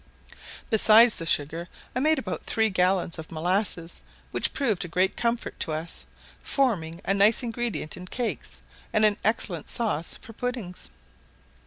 Besides the sugar, I made about three gallons of molasses, which proved a great comfort to us, forming a nice ingredient in cakes and an excellent sauce for puddings.